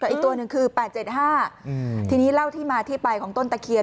อีกตัวหนึ่งคือแปดเจ็ดห้าอืมทีนี้เล่าที่มาที่ไปของต้นตะเคียน